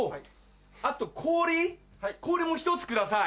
あと氷も１つください。